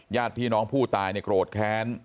ญาติพี่น้องผู้ตายเนี่ยโกรธแค้น